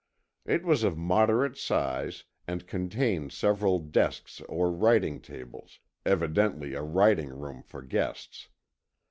It was of moderate size and contained several desks or writing tables, evidently a writing room for guests.